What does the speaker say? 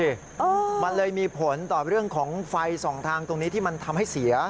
เออมันเลยมีผลต่อเรื่องของไฟสองทางตรงนี้ที่มันทำให้เสีย